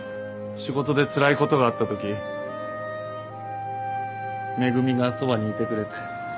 仕事で辛いことがあったときめぐみがそばにいてくれて。